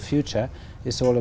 và sau đó